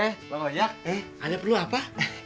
eh bang ojek anda perlu apa